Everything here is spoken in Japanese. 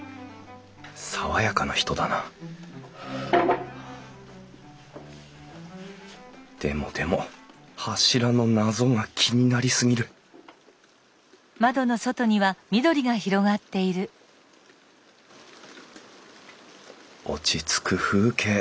爽やかな人だなでもでも柱の謎が気になりすぎる落ち着く風景。